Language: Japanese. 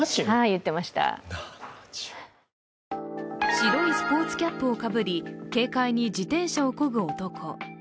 白いスポーツキャップをかぶり、軽快に自転車をこぐ男。